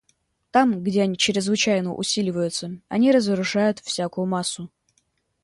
Там, где они чрезвычайно усиливаются, они разрушают всякую массу.